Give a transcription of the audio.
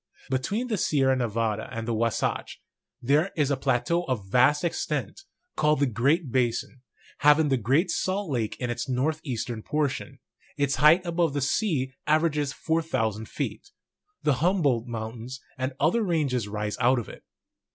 Between the Sierra Ne vada and the Wasatch, there is a plateau of vast extent, called the Great Basin, having the Great Salt Lake in its northeastern portion; its height above the sea averages 4,000 feet ; the Humboldt Mountains and other high ranges rise out of it.